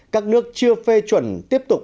các nước chưa phê chuẩn tiếp tục